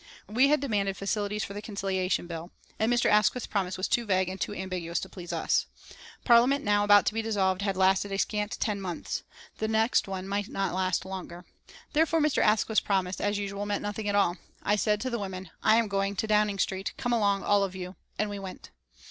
We had demanded facilities for the Conciliation Bill, and Mr. Asquith's promise was too vague and too ambiguous to please us. The Parliament now about to be dissolved had lasted a scant ten months. The next one might not last longer. Therefore, Mr. Asquith's promise, as usual, meant nothing at all. I said to the women, "I am going to Downing Street. Come along, all of you." And we went.